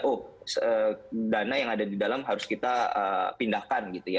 oh dana yang ada di dalam harus kita pindahkan gitu ya